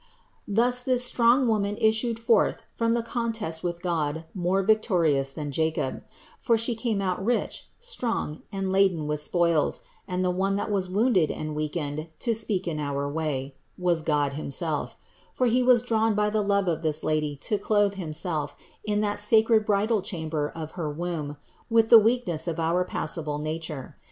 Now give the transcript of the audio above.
Thus this strong Woman issued forth from the contest with God more victorious than Jacob ; for She came out rich, strong and laden with spoils, and the One that was wounded and weakened (to speak in our way) was God himself; for He was drawn by the love of this Lady to clothe Himself in that sacred bridal chamber of her womb with the weakness of our passible nature.